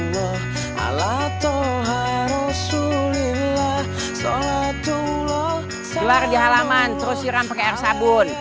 gelar di halaman terus siram pakai air sabun